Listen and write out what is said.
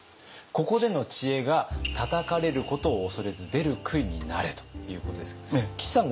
ここでの知恵が「たたかれることを恐れず“出る杭”になれ」ということですが岸さん